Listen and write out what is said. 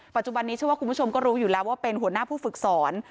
ปัจจุบันนี้เชื่อว่าคุณผู้ชมก็รู้อยู่แล้วว่าเป็นหัวหน้าผู้ฝึกสอน